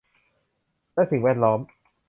และสิ่งแวดล้อม